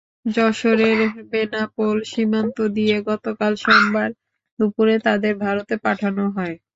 যশোরের বেনাপোল সীমান্ত দিয়ে গতকাল সোমবার দুপুরে তাদের ভারতে পাঠানো হয়।